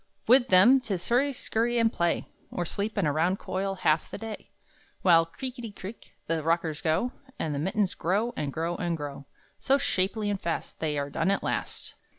With them 'tis hurry scurry and play, Or sleep in a round coil half the day; While, creakety creak, the rockers go, And the mittens grow, and grow, and grow, So shapely and fast They are done at last!